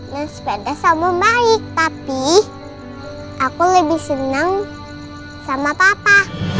naik sepeda sama baik tapi aku lebih senang sama papa